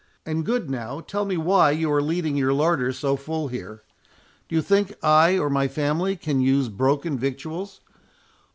And good now, tell me why you are leaving your larder so full here? Do you think I or my family can use broken victuals?